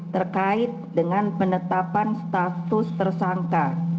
terkait dengan penetapan status tersangka